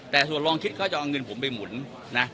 แต่ส่วนลองคิดเขาจะเอาเงินผมไปหมุนนะ